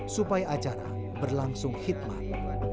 supaya acara berlangsung khidmat